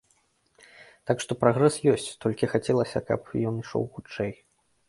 Так што прагрэс ёсць, толькі хацелася б, каб ён ішоў хутчэй.